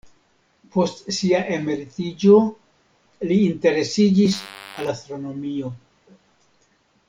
Post sia emeritiĝo li interesiĝis al astronomio.